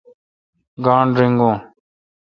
گانٹھ رینگون؟